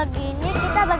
ada disini juga paling